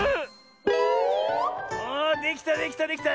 おおできたできたできた！